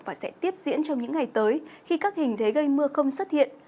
và sẽ tiếp diễn trong những ngày tới khi các hình thế gây mưa không xuất hiện